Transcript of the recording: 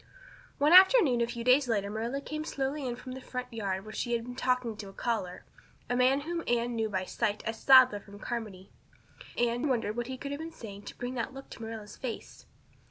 One afternoon a few days later Marilla came slowly in from the front yard where she had been talking to a caller a man whom Anne knew by sight as Sadler from Carmody. Anne wondered what he could have been saying to bring that look to Marilla's face.